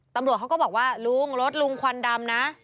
ตำรวจเขาก็บอกว่าลุงรถลุงควันดำนะ